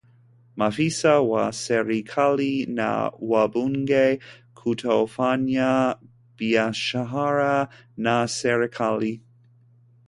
maafisa wa serikali na wabunge kutofanya biashara na serikali